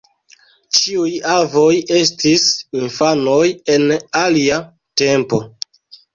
Ĉiuj avoj estis infanoj, en alia tempo.